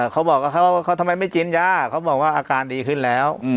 เขาบอกว่าเขาทำไมไม่กินยาเขาบอกว่าอาการดีขึ้นแล้ว